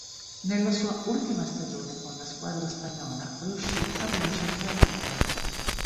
Nella sua ultima stagione con la squadra spagnola riuscì a vincere la Liga.